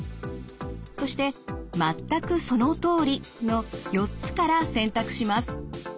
そして「まったくそのとおり」の４つから選択します。